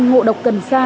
ngộ độc cần sa